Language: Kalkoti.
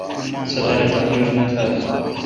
صدر اے° تقریر نہ تھال۔